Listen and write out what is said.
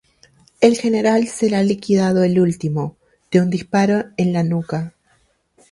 El general será liquidado el último, de un disparo en la nuca.